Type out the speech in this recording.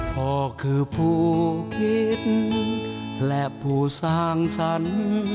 พ่อคือผู้คิดและผู้สร้างสรรค์